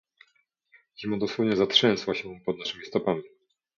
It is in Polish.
Ziemia dosłownie zatrzęsła się pod naszymi stopami